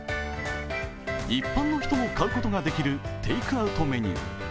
一般の人も買うことができるテイクアウトメニュー。